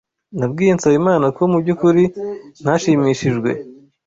Nabwiye Nsabimana ko mubyukuri ntashimishijwe.